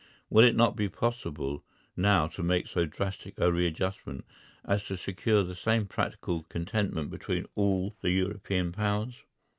Will it not be possible now to make so drastic a readjustment as to secure the same practical contentment between all the European Powers?